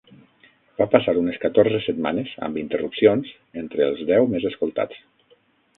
Va passar unes catorze setmanes, amb interrupcions, entre els deu més escoltats.